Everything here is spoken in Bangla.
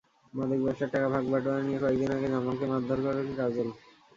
মাদক ব্যবসার টাকার ভাগ-বাঁটোয়ারা নিয়ে কয়েক দিন আগে জামালকে মারধর করেন কাজল।